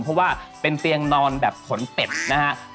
เพราะว่าเป็นเตียงนอนแบบขนเป็ดนะฮะ